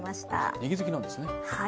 ねぎ好きなんですね。